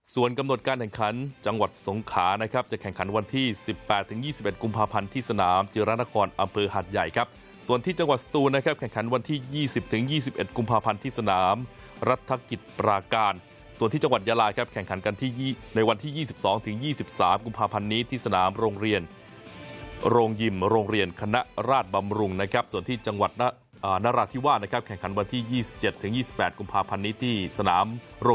ส่วนกำหนดการแข่งขันจังหวัดสงขานะครับจะแข่งขันวันที่๑๘ถึง๒๑กุมภาพันธ์ที่สนามจิรณาคอนอำเภอหาดใหญ่ครับส่วนที่จังหวัดสตูนนะครับแข่งขันวันที่๒๐ถึง๒๑กุมภาพันธ์ที่สนามรัฐกิจปราการส่วนที่จังหวัดยาลายครับแข่งขันกันที่ในวันที่๒๒ถึง๒๓กุมภาพันธ์นี้ที่สนามโ